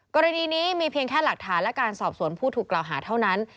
กรณีนี้มีเพียงแค่หลักฐานและการสอบสวนผู้ถูกกล่าวหาเท่านั้น